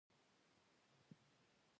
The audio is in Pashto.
په اردو ژبه هم لارښوونې لیکل شوې وې.